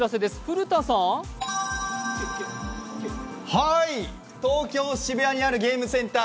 はい、東京・渋谷にあるゲームセンター